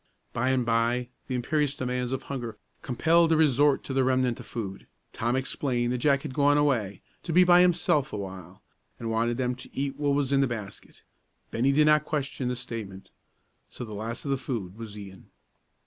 By and by the imperious demands of hunger compelled a resort to the remnant of food. Tom explained that Jack had gone away, to be by himself a while, and wanted them to eat what there was in the basket. Bennie did not question the statement. So the last of the food was eaten.